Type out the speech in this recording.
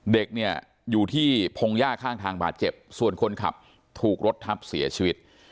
เด็กเนี่ยอยู่ที่พงหญ้าข้างทางบาดเจ็บส่วนคนขับถูกรถทับเสียชีวิต